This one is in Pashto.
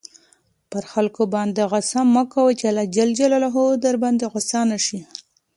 پر خلکو غصه مه کوه چې اللهﷻ درباندې غصه نه شي.